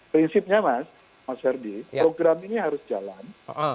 prinsipnya mas mas herdy program ini harus jalan